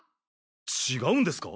違うんですか？